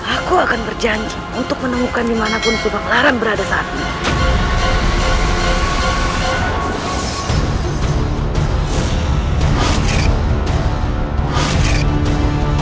aku akan berjanji untuk menemukan dimanapun kebakaran berada saat ini